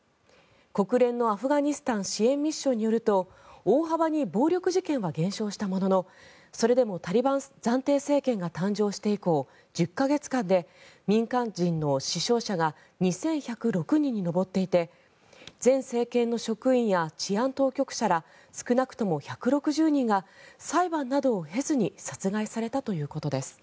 国連のアフガニスタン支援ミッションによると大幅に暴力事件は減少したもののそれでもタリバン暫定政権が誕生して以降１０か月間で民間人の死傷者が２１０６人に上っていて前政権の職員や治安当局者ら少なくとも１６０人が裁判などを経ずに殺害されたということです。